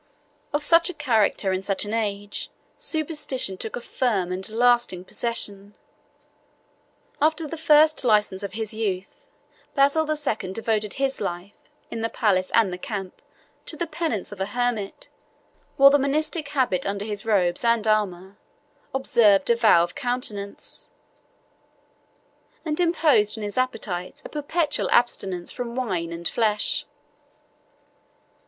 Of such a character, in such an age, superstition took a firm and lasting possession; after the first license of his youth, Basil the Second devoted his life, in the palace and the camp, to the penance of a hermit, wore the monastic habit under his robes and armor, observed a vow of continence, and imposed on his appetites a perpetual abstinence from wine and flesh.